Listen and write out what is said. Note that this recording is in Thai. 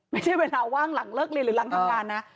ไม่ใช่เวลาว่างหลังเลิกเรียนหรือหลังทำงานนะ